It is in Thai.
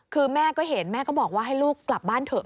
คือแม่ก็เห็นแม่ก็บอกว่าให้ลูกกลับบ้านเถอะ